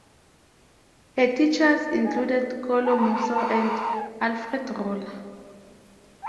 Her teachers included Kolo Moser and Alfred Roller.